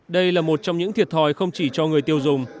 đây là một trong những thiệt thòi không chỉ cho người tiêu dùng